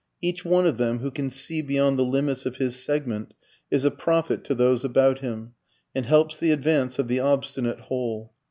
Each one of them who can see beyond the limits of his segment is a prophet to those about him, and helps the advance of the obstinate whole.